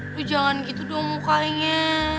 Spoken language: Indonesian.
gue jangan gitu dong mukanya